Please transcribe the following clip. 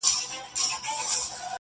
چي هر ځای به یو قاتل وو دی یې یار وو؛